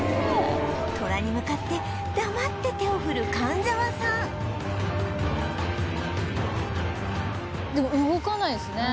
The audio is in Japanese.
トラに向かって黙って手を振る神沢さんでも動かないですね。